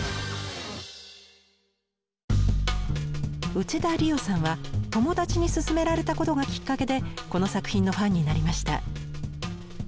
内田理央さんは友達にすすめられたことがきっかけでこの作品のファンになりました。